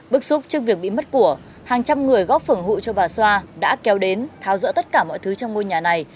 bức xúc trước việc bị mất của hàng trăm người góp phường hội cho bà xoa đã kéo đến tháo dỡ tất cả mọi thứ trong ngôi nhà này